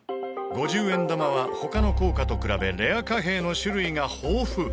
５０円玉は他の硬貨と比べレア貨幣の種類が豊富。